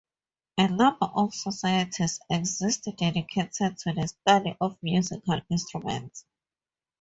A number of societies exist dedicated to the study of musical instruments.